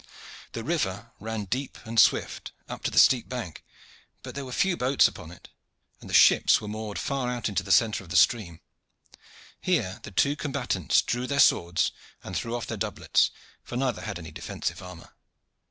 The river ran deep and swift up to the steep bank; but there were few boats upon it, and the ships were moored far out in the centre of the stream. Here the two combatants drew their swords and threw off their doublets, for neither had any defensive armor.